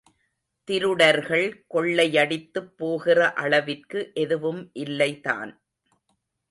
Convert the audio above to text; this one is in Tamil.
திருடர்கள் கொள்ளையடித்துப் போகிற அளவிற்கு எதுவும் இல்லைதான்.